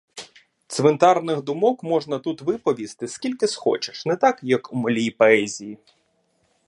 Цвинтарних думок можна тут виповісти, скільки схочеш, не так, як у малій поезії!